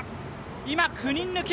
今、９抜き。